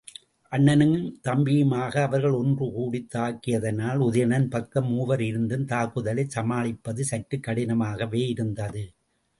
அண்ணனும் தம்பியுமாக அவர்கள் ஒன்று கூடித்தாக்கியதனால், உதயணன் பக்கம் மூவர் இருந்தும் தாக்குதலைச் சமாளிப்பது சற்றுக் கடினமாகவே இருந்தது.